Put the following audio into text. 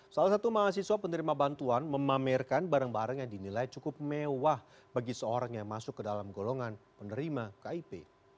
salah satu mahasiswa penerima bantuan memamerkan barang barang yang dinilai cukup mewah bagi seorang yang masuk ke dalam golongan penerima kip